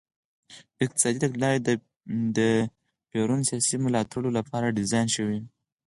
اقتصادي تګلارې د پېرون سیاسي ملاتړو لپاره ډیزاین شوې وې.